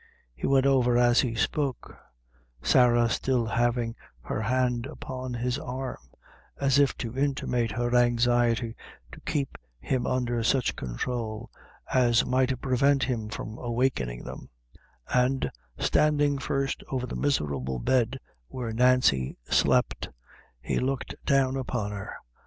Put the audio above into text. He went over, as he spoke, Sarah still having her hand upon his arm, as if to intimate her anxiety to keep him under such control as might prevent him from awakening them; and, standing first over the miserable bed where Nancy slept, he looked down upon her.